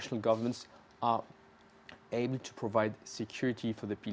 negara negara berinteresan berbeda